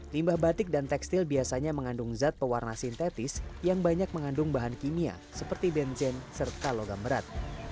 limbah batik dan tekstil biasanya mengandung zat pewarna sintetis yang banyak mengandung bahan kimia seperti benzen serta logam berat